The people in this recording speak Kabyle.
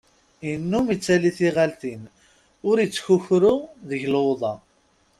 Innum ittali tiɣaltin, ur ittkakru deg luḍa.